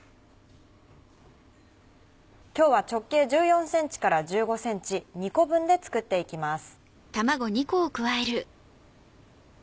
今日は直径１４ｃｍから１５ｃｍ２個分で作っていきます。